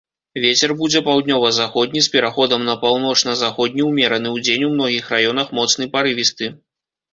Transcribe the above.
Вецер будзе паўднёва-заходні з пераходам на паўночна-заходні ўмераны, удзень у многіх раёнах моцны парывісты.